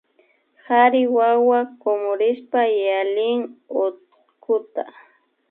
Kari wawa kumurishpa yalin hutkuta